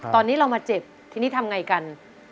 ตอนนี้เรามาเจ็บทีนี้ทำไงกัน